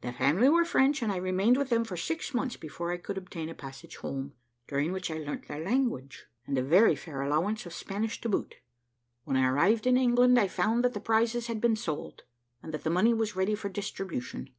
The family were French, and I remained with them for six months before I could obtain a passage home, during which I learnt their language, and a very fair allowance of Spanish to boot. When I arrived in England, I found that the prizes had been sold, and that the money was ready for distribution.